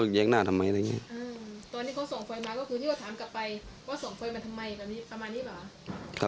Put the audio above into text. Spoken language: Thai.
ว่าส่งไฟล์มาทำไมประมาณนี้หรือเปล่า